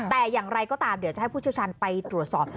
แต่อย่างไรก็ตามเดี๋ยวจะให้ผู้เชี่ยวชาญไปตรวจสอบ